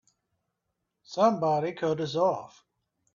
Somebody cut us off!